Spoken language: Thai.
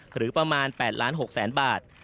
หรือประมาณ๘๖๐๐๐๐๐บาท